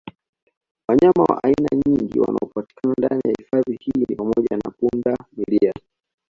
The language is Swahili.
Wanyama wa aina nyingi wanaopatikana ndani ya hifadhi hii ni pamoja na punda milia